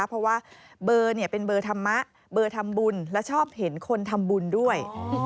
เพราะว่าเบอร์เป็นเบอร์ธรรมะเบอร์ทำบุญและชอบเห็นคนทำบุญด้วย